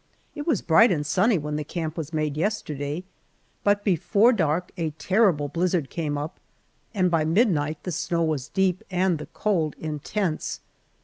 It was bright and sunny when the camp was made yesterday, but before dark a terrible blizzard came up, and by midnight the snow was deep and the cold intense.